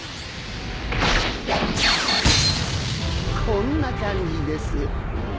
こんな感じです。